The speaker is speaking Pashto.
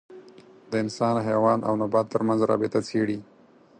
د انسان، حیوان او نبات تر منځ رابطه څېړي.